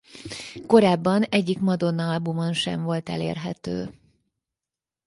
Korábban egyik Madonna-albumon sem volt elérhető.